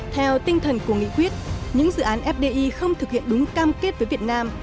theo tinh thần của nghị quyết những dự án fdi không thực hiện đúng cam kết với việt nam